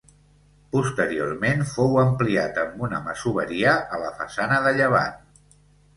Posteriorment fou ampliat amb una masoveria a la façana de llevant.